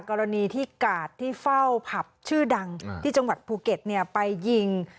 กรณีที่กาดที่เฝ้าผับชื่อดังที่จังหวัดภูเก็ตไปยิง